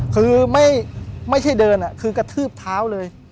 คือไม่ใช่เดินคือกระทืบเท้าเลย